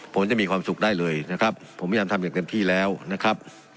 ผมจะมีความสุขได้เลยนะครับผมพยายามทำอย่างเต็มที่แล้วนะครับ